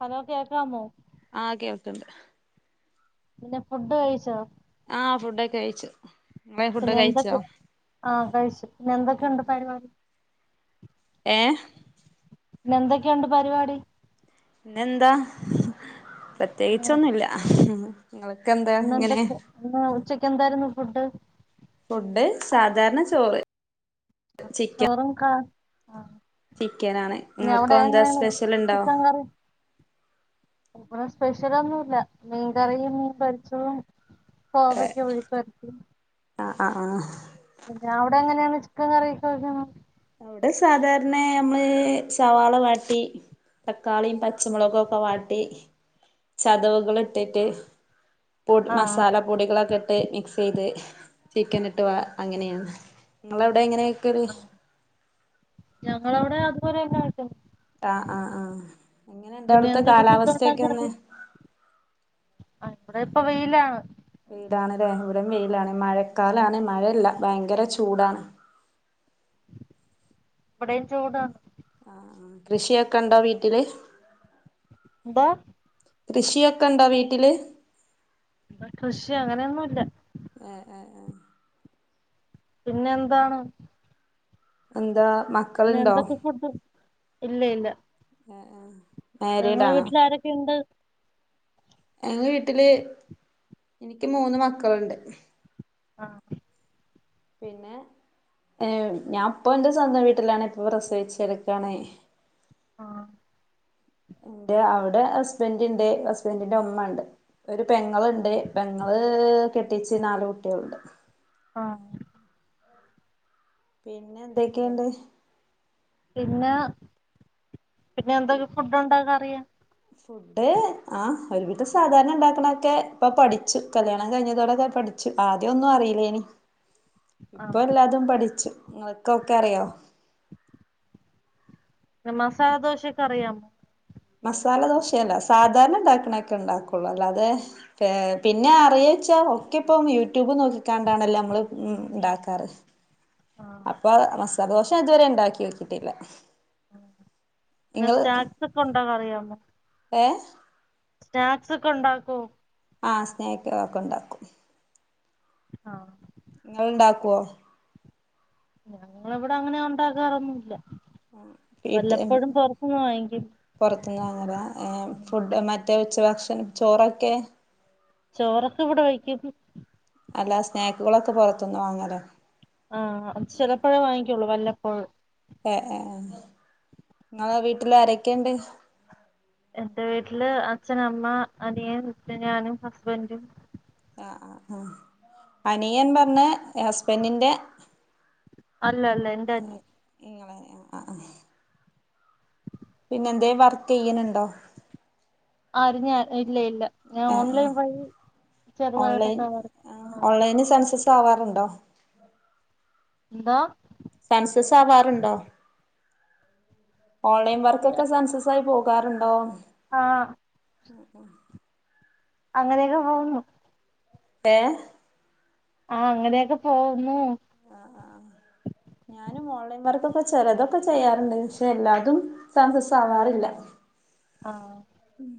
Hello കേക്കാമോ ആഹ് കേൾക്ക്ണ്ട് പിന്നെ ഫുഡ്ഡ് കഴിച്ചോ ആഹ് ഫുഡൊക്കെ കഴിച്ചു ഇങ്ങള് പിന്നെ ഫുഡൊക്കെ കഴിച്ചോ എന്തൊക്കെ ആഹ് കഴിച്ചു പിന്നെ എന്തൊക്കെണ്ട് പരിപാടി ഏഹ് പിന്നെന്തൊക്കെണ്ട് പരിവാടി പിന്നെന്താ പ്രത്യേകിച്ചൊന്നുല്ല ങ്ങള് പിന്നെന്തൊക്കെ ഇന്ന് ഉച്ചക്ക് എന്തായിരുന്നു ഫുഡ് ഫുഡ്ഡ് സാധാരണ ചോറ് ചിക്കൻ വെറും ക്ക ആഹ് ചിക്കനാണ് പിന്നെ നിങ്ങൾക്കോ അവടെ എന്താ എങ്ങനെണ് സ്പെഷ്യൽ ഇണ്ടോ ചിക്കൻ കറി ഇവടെ സ്പെഷ്യലൊന്നൂല്ല മീൻകറീം മീൻ പൊരിച്ചതും ഏഹ് കോവയ്ക്ക മെഴക്ക്‌ പെര്ട്ടി ആഹ് ആഹ് ആഹ് പിന്നെ അവടെ എങ്ങനെണ് ചിക്കൻ കറിയൊക്കെ വെക്കുന്നത് വടെ സാധാരണ നമ്മള് സവാള വാട്ടി തക്കാളീം പച്ചമൊളകൊക്കെ വാട്ടി ചതവുകള് ട്ട് ട്ട് പൊട് ആഹ് മസാല പൊടികളൊക്കെ ഇട്ട് മിക്സെയ്ത് ചിക്കന്ട്ട് വാ അങ്ങനെണ് ങ്ങളവടെ എങ്ങനെ ക്ക്‌ണ് ഞങ്ങളവടെ അതുപോലെന്നെ വെയ്ക്കുന്നെ ആഹ് ആഹ് ആഹ് എങ്ങനെണ്ട് പിന്നെ അവ്ട്ത്തെ എന്തൊക്കെ ഫുഡ് കാലാവസ്ഥൊക്കെ ഉണ്ടാക്കാൻ ന്ന് അറിയാം ആഹ് ഇവടെ ഇപ്പൊ വെയിലാണ് വെയിലാണ് ലെ ഇവടിം വെയിലാണ് മഴക്കാലാണ് മഴല്ല ഭയങ്കര ചൂടാണ് വടിം ചൂടാണ് ആഹ് കൃഷിയൊക്കെ ണ്ടോ വീട്ടില് ന്തോ കൃഷിയൊക്കെ ണ്ടോ വീട്ടില് പ്പൊ കൃഷി അങ്ങനൊന്നും ല്ല ആഹ് ആഹ് ആഹ് പിന്നെന്താണ് എന്താ മ പിന്നെ എന്തൊക്കെ ഫുഡ് ഇല്ല ഇല്ല. ആഹ് ആഹ് ഏഹ് ഇങ്ങ വീട്ടില് ആരൊക്കെയുണ്ട് ഞങ്ങ വീട്ടില് എനിക്ക് മൂന്ന് മക്കള്ണ്ട് ആഹ് പിന്നെ ഏഹ് ഞാൻപ്പൊ ഇന്റെ സ്വന്തം വീട്ടിലാണ് ഇപ്പോ പ്രസവിച്ച് കെട്ക്കാണെ ആഹ് ഇന്റെ അവിടെ ഹസ്ബൻന്റ് ഇണ്ട് ഹസ്ബന്റിന്റെ ഉമ്മ ഉണ്ട് ഒരു പെങ്ങള്ണ്ട് ആഹ് പെങ്ങള് കെട്ടിച്ച് നാല് കുട്ടികളുണ്ട്. ആഹ് പിന്നെ എന്തൊക്കെയുണ്ട് പിന്നെ പിന്നെ എന്തൊക്കെ ഫുഡ് ഉണ്ടാക്ക അറിയ ഫുഡ് ഫുഡ് ആഹ് ഒരു വിധം സാധാരണ ഉണ്ടാക്ക്ണൊക്കെ ഇപ്പൊ പഠിച്ചു കല്യാണം കഴിഞ്ഞതോടെ പഠി ച്ചു ആദ്യം ഒന്നും അറീലേനി [inaudible] ഇപ്പൊ എല്ലാതും പഠിച്ചു. നിങ്ങൾക്ക് ഒക്കെ അറിയോ പിന്ന മസാല ദോശയൊക്കെ അറിയാമോ. മസാല ദോശയല്ല. സാധാരണ ഉണ്ടാക്കണൊക്കെ ഉണ്ടാക്കുള്ളൂ അല്ലാതെ ഏഹ് പിന്നെ അറിയോച്ചാ ഒക്കെ ഇപ്പം യൂട്യൂബ് നോക്കിക്കാണ്ടാണല്ലാം നമ്മള് ഉം ഉണ്ടാക്കാറ്. ആഹ്. അപ്പൊ മസാലദോശ ഇതുവരെ ഉണ്ടാക്കി നോക്കിട്ടില്ല പിന്നെ സ്നാക്സ് ഒക്കെ ഉണ്ടാക അറിയാമോ ഏഹ് സ്നാക്സ് ഒക്കെ ഉണ്ടാക്കോ ആഹ് സ്നേക്ക്കളൊക്ക ഉണ്ടാക്കും ആഹ് ഇങ്ങൾ ഇണ്ടാക്കോ ഞങ്ങളിവിടെ അങ്ങനെ ഉണ്ടാക്കാറൊന്നുല്ല വല്ലപ്പോഴും പൊറത്ത്ന്ന് വാങ്ങിക്കും പൊറത്തുന്നു വാങ്ങലാ ഏഹ് ഫുഡ് മറ്റേ ഉച്ച ഭക്ഷണം ചോറൊക്കെ ചോറൊക്കെ ഇവിടെ വെയ്ക്കും അല്ല സ്നാക്കുകളൊക്കെ പൊറത്തുന്ന് വാങ്ങലാ ആഹ് അത് ചെലപ്പൊഴേ വാങ്ങിക്കൊള്ളൂ വല്ലപ്പോഴും ആഹ് ആഹ് ആഹ് നിങ്ങളെ വീട്ടിലാരെക്കെണ്ട് എന്റെ വീട്ടില് അച്ഛനമ്മ അനിയൻ പിന്നെ ഞാനും ഹസ്ബന്റും ആഹ് ആഹ് ആഹ് അനിയൻ പറഞ്ഞ ഹസ്ബന്റിൻ്റെ അല്ല അല്ല ഇന്റനിയൻ ഇങ്ങളെ ആഹ് ആഹ് ആഹ് പിന്നെ എന്തേം വർക്കെയ്യ്ണ് ണ്ടോ ആര് ഞാൻ ഇല്ല ഇല്ല ഞാൻ ആ ഓൺലൈൻ വഴി ചെറുതായിട്ടൊക്കെ വർക്ക്‌ ആഹ് എനി സൺസിസ് പ്പാവാറുണ്ടോ എന്തോ സൺസിസ് ആവാറുണ്ടോ ഓൺലൈൻ വർക്കൊക്കെ സൺസിസ് ക്കൊയി പോകാറുണ്ടോ ആ [unintelligible] അങ്ങനെയൊക്കെ പോകുന്നു ഏ ആ അങ്ങനെയൊക്കെ പോവുന്നു ഞാനും ഓൺലൈൻവർക്കൊക്കെ ചെലതൊക്കെ ചെയ്യാറുണ്ട് പക്ഷെ എല്ലാതും സൺസിസ് ആവാറില്ല ആ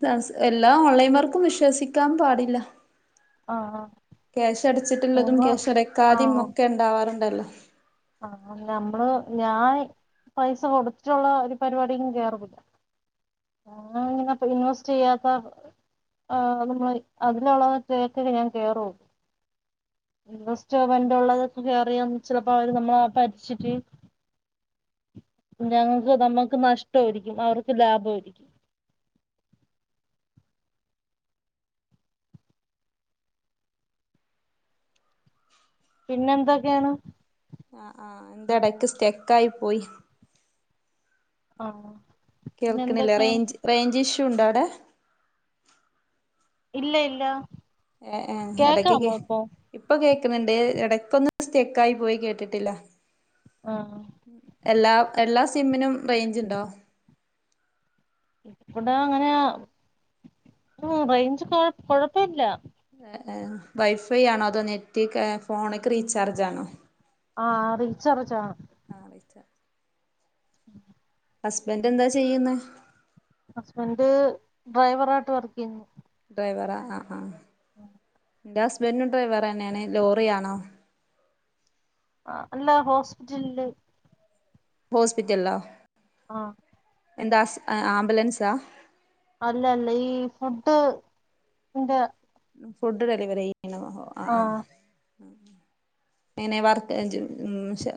സൺസ് എല്ലാ ഓൺലൈൻവർക്കും വിശ്വസിക്കാൻ പാടില്ല ആഹ് ക്യാഷ് അടച്ചിട്ടുള്ളതും ഞങ്ങള് ക്യാഷ് അടക്കാതെയും ഒക്കെ ഇണ്ടാവാറുണ്ടല്ലോ ആ നമ്മള് ഞാൻ പൈസ കൊടുത്തിട്ടുള്ള ഒരു പരിപാടിക്കും കേറത്തില്ല ഞങ്ങളിങ്ങനിപ്പ ഇൻവെസ്റ്റ് ചെയ്യാത്ത ആ നന്നായി അതിലൊള്ള [unintelligible] ഞാൻ കേറൂ ഇൻവെസ്റ്റ് വെന്റുള്ളതൊക്കെ കേറിയാ ചെലപ്പോ അവര് നമ്മളെ പറ്റിച്ചിട്ട് ഞങ്ങക്ക് നമ്മക്ക് നഷ്ട്ടൊരിക്കും അവർക്ക് ലാഭോയിരിക്കും പിന്നെന്തൊക്കെയാണ് ആഹ് ആഹ് ഇന്റെടയ്ക്ക് സ്റ്റെക്കായി പോയി ആഹ് പിന്നെ കേൾക്കണില്ല എന്തൊക്കെയാണ് റേഞ്ച് റേഞ്ച് ഇഷ്യൂ ഉണ്ടോ അവിടെ ഇല്ല ഇല്ല ഏ ഏ എടക്കൊക്ക് കേക്കാമോ ഇപ്പൊ ഇപ്പൊ കേക്കണ് ണ്ട് എടക്കൊന്നു സ്റ്റെക്കായി പോയി കേട്ടിട്ടില്ല ആഹ് എല്ലാം എല്ലാ സിമ്മിനും റേയ്ഞ്ചുണ്ടോ ഇവിടെ അങ്ങനെ മം റേഞ്ച് കൊഴ കൊഴപ്പല്ല ഏ വൈഫൈ ആണോ അതോ നെറ്റ്ക്കെ ഫോണെക്കെ റീചാർജ് ആണോ ആഹ് റീച്ചാർജ്ജാ ആഹ് റീചാ ഉം ഹസ്ബന്റെന്താ ചെയ്യുന്നെ ഹസ്ബന്റ് ഡ്രൈവറായിട്ട് വർക്കെയ്യുന്നു ഡ്രൈവറാ ആഹ് ആഹ് ആഹ് എന്റെ ഹസ്ബന്റും ഡ്രൈവറന്നെയാണ് ലോറി ആണോ ആ അല്ല ഹോസ്പിറ്റലില് ഹോസ്പിറ്റലില്ലോ ആഹ് എന്താ ഹസ് ആംബുലൻസാ അല്ല അല്ല ഈ ഫുഡ് ന്റെ ഫുഡ് ഡെലിവറി ചെയ്യണോ ആഹ് ആഹ് എങ്ങനെ വർക്ക്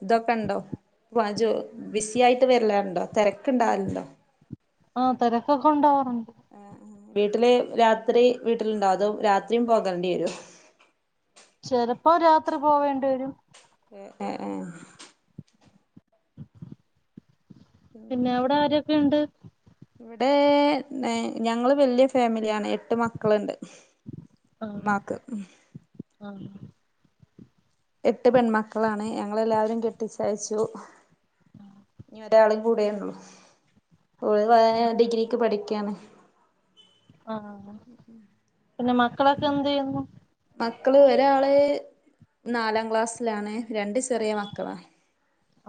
ഇത് ഒക്കെ ഒണ്ടോ ജ [unintelligible] ബിസി ആയിട്ട് വരില്ലാറുണ്ടോ തെരക്കുണ്ടാവലുണ്ടോ ആ തെരക്കൊക്കെ ഒണ്ടാവാറുണ്ട് വീട്ടില് രാത്രി വീട്ടിലുണ്ടാവതോ രാത്രിം പോകെണ്ടി വരോ ചെലപ്പോ രാത്രി പോവേണ്ടി വരും ഏ [unintelligible] ഏ പിന്നെ അവിടെ ആരൊക്കെയുണ്ട് ഇവിടെ ഞങ്ങള് വല്യ ഫാമിലിയാണ് എട്ട് മക്കളുണ്ട് ആഹ് ഉമ്മാക്ക് ആഹ് എട്ട് പെൺമക്കളാണ് ഞങ്ങെല്ലാവരെയും കെട്ടിച്ചയച്ചു ഇനി ഒരാളും കൂടെയുള്ളു ആഹ് [unintelligible] ഡിഗ്രിക്ക് പഠിക്കയാണ് ആഹ് ആഹ് പിന്നെ മക്കളൊക്കെ എന്ത്‌ ചെയ്യുന്നു മക്കള് ഒരാള്- നാലാം ക്ലാസ്സിലാണ് രണ്ട് ചെറിയ മക്കളാ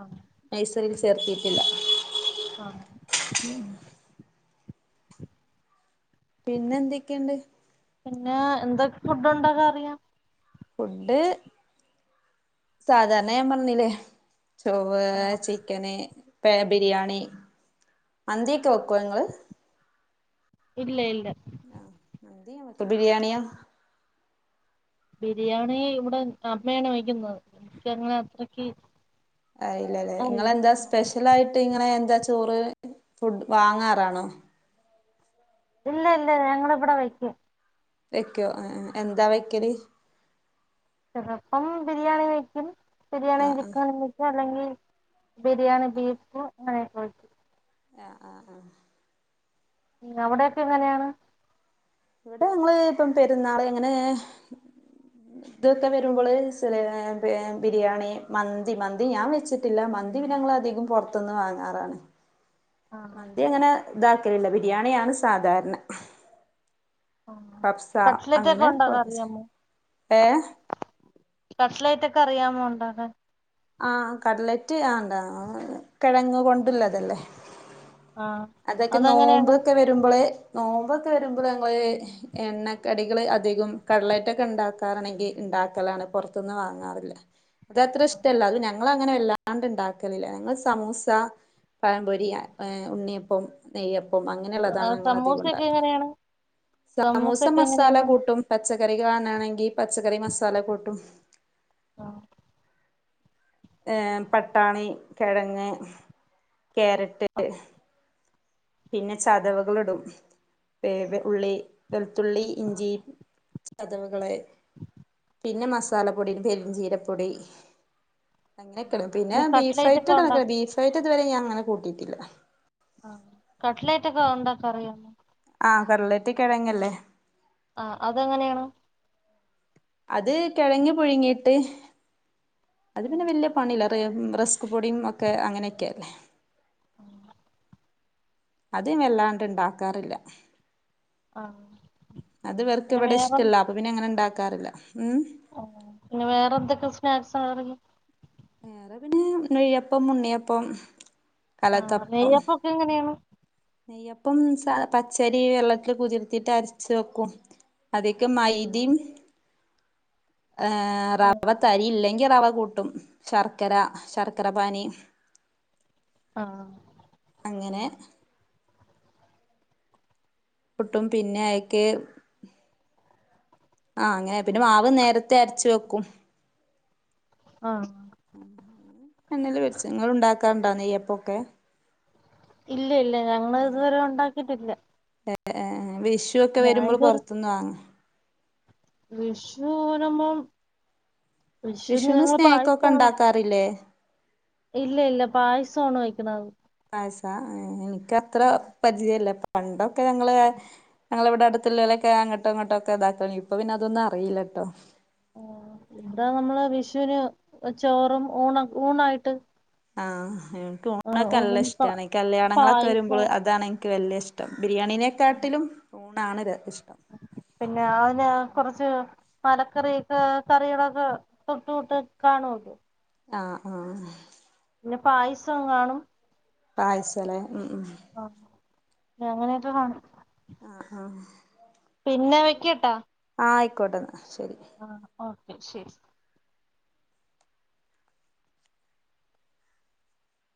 ആഹ് നൈസലിൽ ൽ ചേർത്തീട്ടില്ല ആഹ് [inaudible] പിന്നെ എന്തൊക്കെയുണ്ട് പിന്നെ എന്തൊക്കെ ഫുഡ് ഉണ്ടാക്കാനറിയാം ഫുഡ്- സാധാരണ ഞാൻ പറഞ്ഞില്ലേ ചൊറ് ആഹ് ചിക്കന് ബിരിയാണി മന്തിയൊക്കെ വെക്കുവോ നിങ്ങള് ഇല്ല ഇല്ല ഇപ്പൊ ബിരിയാണിയ ബിരിയാണി ഇവിടെ അമ്മയാണ് വയ്ക്കുന്നത് എനിക്ക് അങ്ങനെ അത്രക്ക്- ഇല്ലയില്ല അറിയില്ല ഇങ്ങളെന്താ സ്പെഷ്യൽ ആയിട്ട് ഇങ്ങനെ എന്താ ചോറ് ഫുഡ് വാങ്ങാറാണോ ഇല്ല ഇല്ല ഞങ്ങളിവിടെ വയ്ക്കും വെയ്ക്കോ എന്താ വെയ്ക്കല് ചെലപ്പം ബിരിയാണി വെയ്ക്കും ആ ബിരിയാണിയും ആ ചിക്കനും വയ് - ചിക്കൻ അല്ലെങ്കിൽ ബിരിയാണി ബീഫ് അങ്ങനെയൊക്കെ വക്കും ആഹ് ആഹ് ആഹ് അവിടെയൊക്കെ എങ്ങനെയാണ് ഇവിടെ ഞങ്ങള് ഇപ്പം പെരുന്നാള് എങ്ങനെ- ഇതൊക്കെ വരുമ്പോള് ബിരിയാണി മന്തി മന്തി ഞാൻ വെച്ച് - ടില്ല മന്തി പിന്നെ ഞങ്ങള് അധികം പൊറത്ത്ന്ന് വാങ്ങാറാണ് ആഹ് മന്തി അങ്ങനെ ഇതാക്കലില്ല ബിരിയാണിയാണ് സാധാരണ കബ്സ കട്ട്ലെറ്റ് ഒക്കെ അങ്ങനെ ഒണ്ടാക്കാറിയാമോ ഏ കട്ലെറ്റ് ഒക്കെ ട് അറിയാ ഒണ്ടാക്കാൻ ആ കടലെറ്റ് ആ കെഴങ്ങ് കൊണ്ട് ഉള്ളത് ആഹ് അതൊക്കെ നോമ്പ് അതെങ്ങനെയാണ് ഒക്കെ വരു - വരുമ്പള് നോമ്പൊക്കെ വരുമ്പള് എണ്ണക്കടികൾ അധികം കട്ലെറ്റൊക്കെണ്ടാകും. ക്കറ [unintelligible] ണെങ്കി ഉണ്ടാക്കലാണ് പൊറതുന്ന് വാങ്ങാറില്ല. ഇത് അത്ര ഇഷ്ടല്ല അത് ഞങ്ങളങ്ങനെ വല്ലാണ്ട് ഇണ്ടാക്കലില്ല ഞങ്ങള് സമൂസ പഴംപൊരിയ ഏഹ് ഉണ്ണിയപ്പം നെയ്യപ്പം അങ്ങനെയുള്ളതാണ് ഞങ്ങളധികം സമൂസൊക്കെ ഉണ്ടാക്കാറ് എങ്ങനെയാണ് സമൂസ സമൂസൊക്കെ മസാല എങ്ങനെയാണ് കൂട്ടും പച്ചക്കറി കാണാണെങ്കിൽ പച്ചക്കറി മസാല കൂട്ടും. ആഹ് ഏഹ് പട്ടാണി കിഴങ്ങ് ക്യാരറ്റ് പിന്നെ ചതവുകളിടും [unintelligible] ഉള്ളി വെളുത്തുള്ളി ഇഞ്ചി ചതവുകളെ [unintelligible] പിന്നെ മസാലപ്പൊടി ഇടും പെരുംചീരപ്പൊടി അങ്ങനൊക്കിടും പിന്നാ പിന്നെ കട്ട്ലേറ്റ് ഒക്കെ ബീഫൈറ്റിടും ഉണ്ടാക്ക ബീഫൈറ്റ് ഇതുവരെ ഞാൻ അങ്ങനെ കൂട്ടിയിട്ടില്ല ആഹ് കട്ട്ലേറ്റ് ഒക്കെ ഉണ്ടാക്കറിയോ ആഹ് കട്ലറ്റ് കിഴങ്ങല്ലേ ആഹ് അതെങ്ങനെയാണ് അത് കിഴങ്ങ് പുഴുങ്ങിയിട്ട് അത് പിന്നെ വല്ല്യ പണിയില്ല റെ റെസ്ക് പൊടിയും ഒക്കെ അങ്ങനെയൊക്കെയല്ലേ ഉം അത് വല്ലാണ്ട് ഇണ്ടാക്കാറില്ല ആഹ് അത് ഇവർക്ക് പിന്നെ ഇവിടെ വേറെ ഇഷ്ട്ടല്ല അപ്പൊ പിന്നെ അങ്ങനെ ഇണ്ടാക്കാറില്ല ഉം ആഹ് പിന്നെ വേറെന്തൊക്കെ സ്നാക്സാ ആറി വേറെ പിന്നെ നെയ്യപ്പം ഉണ്ണിയപ്പം ആഹ് കലത്തപ്പം നെയ്യപ്പൊക്കെ എങ്ങനെയാണ് നെയ്യപ്പം ചാ പച്ചരി വെള്ളത്തില് കുതിർത്തിട്ട് അരച്ച് വെക്കും. അതിക്ക് മൈദീം ഏഹ് റവ തരിയില്ലെങ്കി റവ കൂട്ടും ശർക്കര ശർക്കര പാനി ആഹ് അങ്ങനെ പുട്ടും പിന്നെ അയിക്ക് ആഹ് അങ്ങനെ പിന്നെ മാവ് നേരത്തെ അരച്ചു വെക്കും. ആഹ് എണ്ണയില് പൊരിച്ച് ഇങ്ങള് ഉണ്ടാക്കാറുണ്ടാ നെയ്യപ്പൊക്കെ ഇല്ല ഇല്ല ഞങ്ങള് ഇതുവരെ ഒണ്ടാക്കിയിട്ടില്ല. ഏഹ് വിഷു ഒക്കെ വരുമ്പോൾ പൊറത്തുന്ന് വാങ്ങാ വിഷു വരുമ്പം വിഷുന്ന് സ്നാക്കൊക്കെ പായസമാണ് ഒണ്ടാക്കാറില്ലേ ഇല്ല ഇല്ല പായസവാണ് വെക്കണത് പായസാ ഏഹ് എനിക്കത്ര പരിചയില്ല പണ്ടൊക്കെ ഞങ്ങള് ഞങ്ങളവിടെ അടുത്തുള്ളോലൊക്കെ അങ്ങട്ടോ ഇങ്ങോട്ടൊക്കെ ഇതാക്ക [unintelligible] ഇപ്പോ പിന്നെ അതൊന്നും അറിയില്ലട്ടോ ആഹ് ഇവിടെ നമ്മള് വിഷൂന് ചോറും ഊണ ഊണായിട്ട് ആഹ് എനിക്ക് ഊണൊക്കെ ഊണും നല്ല പ ഇഷ്ടാണ് കല്യാണങ്ങളൊക്കെ വരുമ്പോള് പായസവും അതാണ് എനിക്ക് വല്ല്യ ഇഷ് ടം ബിരിയാണിനെക്കാട്ടിലും ഊണാണ് ര ഇഷ്ടം. പിന്നെ [unintelligible] കൊറച്ച് തലകറിയൊക്കെ കറികളൊക്കെ തൊട്ടുകൂട്ടി കാണുള്ളൂ ആഹ് ആഹ് പിന്നെ പായസം കാണും പായസലെ ഉം ഉം ആഹ് അങ്ങനെയട്ട് കാണും ആഹ് ആഹ് പിന്നെ വെക്ക്‌ട്ടാ ആഹ് ആയിക്കോട്ടെന്നാ ശരി ആഹ് ഓക്കെ ശരി